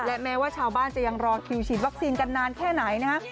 และแม้ว่าชาวบ้านจะยังรอคิวฉีดวัคซีนกันนานแค่ไหนนะฮะ